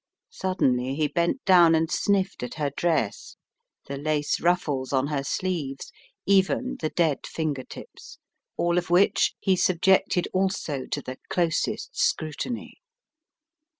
Suddenly he bent down and sniffed at her dress, the lace ruffles on her sleeves, even the dead fingertips, all of which he subjected also to the closest scrutiny.